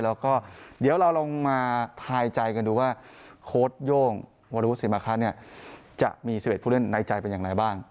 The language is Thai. แล้วก็เดี๋ยวเราลองมาทายใจกันดูว่าโค้ดโย่งวรวุศิมาคะจะมี๑๑ผู้เล่นในใจเป็นอย่างไรบ้าง